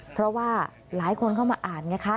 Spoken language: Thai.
เพราะว่าหลายคนเข้ามาอ่านไงคะ